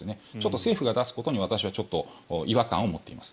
政府が出すことに、私はちょっと違和感を持っています。